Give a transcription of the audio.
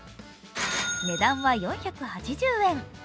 値段は４８０円。